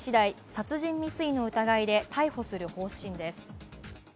殺人未遂の疑いで逮捕する方針です。